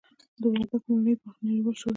د وردګو مڼې نړیوال شهرت لري.